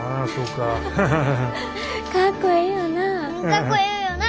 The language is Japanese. かっこええよな。